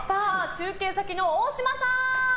中継先の大嶋さん！